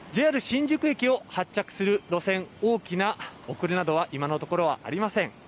ＪＲ新宿駅を発着する路線、大きな遅れなどは今のところはありません。